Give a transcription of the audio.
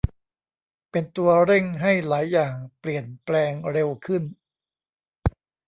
เป็นตัวเร่งให้หลายอย่างเปลี่ยนแปลงเร็วขึ้น